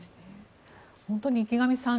本当に池上さん